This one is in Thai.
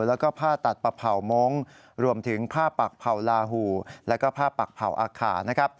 แล้วก็ผ้าตัดปะเผ่ามงค์รวมถึงผ้าปักเผ่าลาหูแล้วก็ผ้าปักเผ่าอาขานะครับ